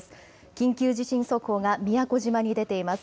緊急地震速報が宮古島に出ています。